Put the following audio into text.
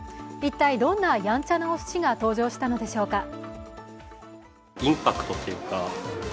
一体どんな、やんちゃなおすしが登場したのでしょうか。